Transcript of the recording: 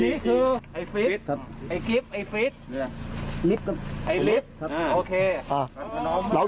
อีกคนหนึ่งอีกคนหนึ่ง